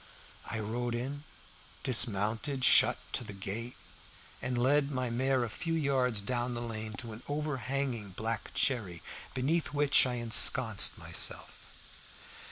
I rode in, dismounted, shut to the gate, and led my mare a few yards down the lane to an overhanging black cherry tree, beneath which I ensconced myself.